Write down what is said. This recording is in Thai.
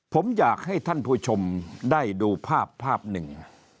ผมอยากให้ท่านผู้ชมได้ดูภาพภาพหนึ่ง